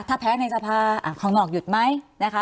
ถ้าแพ้ในสภาข้างนอกหยุดไหมนะคะ